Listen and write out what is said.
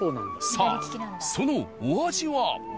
さあそのお味は？